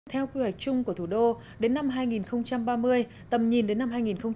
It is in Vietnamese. theo quy hoạch chung của thủ đô đến năm hai nghìn ba mươi tầm nhìn đến năm hai nghìn bốn mươi năm